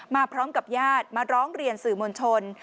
มาพร้อมกับญาติมาร้องเรียนสื่อมวลชน